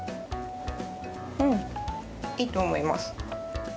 うん、いいと思います。